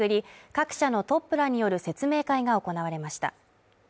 各社のトップらによる説明会が行われました。